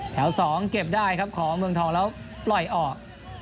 ๒เก็บได้ครับของเมืองทองแล้วปล่อยออก